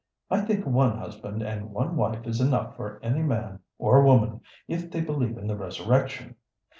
I think one husband and one wife is enough for any man or woman if they believe in the resurrection.